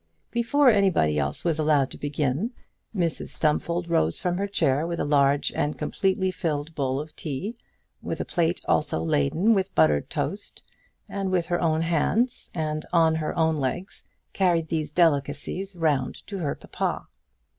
Before anybody else was allowed to begin, Mrs Stumfold rose from her chair with a large and completely filled bowl of tea, with a plate also laden with buttered toast, and with her own hands and on her own legs carried these delicacies round to her papa.